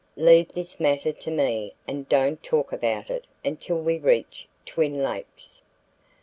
Leave this matter to me and don't talk about it until we reach Twin Lakes."